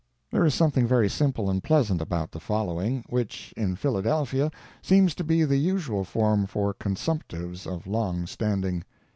There is something very simple and pleasant about the following, which, in Philadelphia, seems to be the usual form for consumptives of long standing.